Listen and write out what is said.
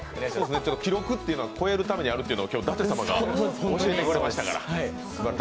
記録というのは超えるためにあるというのを、今日は舘様が教えてくれましたから。